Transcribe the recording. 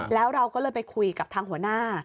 แล้วเราก็เลยไปคุยกับทางหัวหน้า